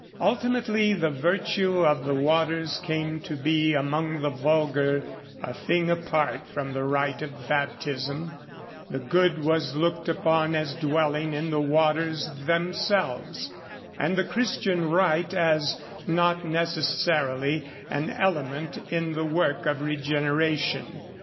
Ultimately the virtue of the waters came to be among the vulgar a thing apart from the rite of baptism; the good was looked upon as dwelling in the waters themselves, and the Christian rite as not necessarily an element in the work of regeneration.